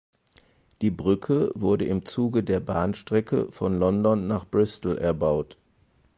Die Brücke wurde im Zuge der Bahnstrecke von London nach Bristol erbaut.